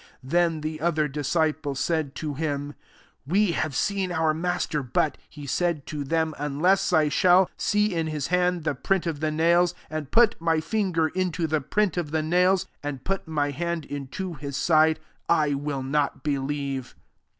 25 Then, the other disciple^ said to him, '* We have seen our Master." But he said to them, " Unless I shall see in his hands the print of the nails^ and put my finger into the print of the nails, and put my hand into his side, I , will not be lieve."